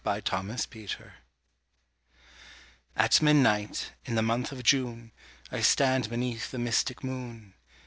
THE SLEEPER At midnight, in the month of June, I stand beneath the mystic moon.